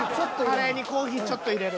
カレーにコーヒーちょっと入れる。